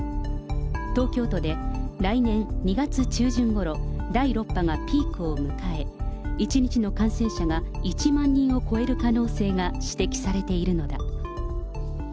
東京都で来年２月中旬ごろ、第６波がピークを迎え、１日の感染者が１万人を超える可能性が指摘されているのだ。